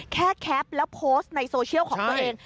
แคปแล้วโพสต์ในโซเชียลของตัวเอง